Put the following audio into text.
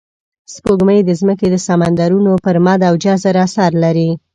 سپوږمۍ د ځمکې د سمندرونو پر مد او جزر اثر لري